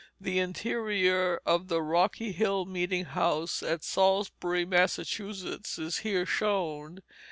The interior of the Rocky Hill meeting house at Salisbury, Massachusetts, is here shown.